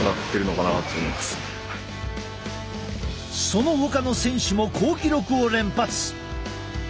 そのほかの選手も好記録を連発！